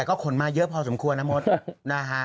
ก็ขนมาเยอะพอสมควรนะมดนะฮะ